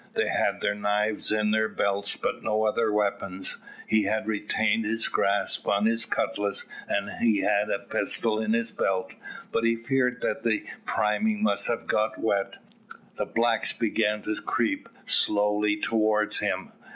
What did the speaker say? They had their knives in their belts, but no other weapons. He had retained his grasp on his cutlass, and he had a pistol in his belt, but he feared that the priming must have got wet. The blacks began to creep slowly towards him.